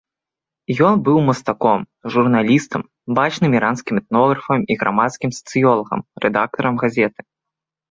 Ён быў мастаком, журналістам, бачным іранскім этнографам і грамадскім сацыёлагам, рэдактарам газеты.